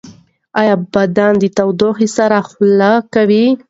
ایا بدن د تودوخې سره خولې کوي؟